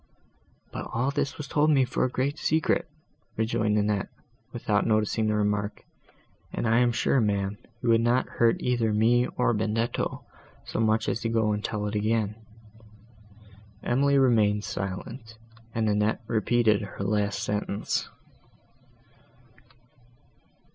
"But all this was told me for a great secret," rejoined Annette, without noticing the remark, "and I am sure, ma'am, you would not hurt either me or Benedetto, so much as to go and tell it again." Emily remained silent, and Annette repeated her last sentence.